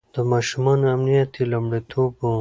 د ماشومانو امنيت يې لومړيتوب و.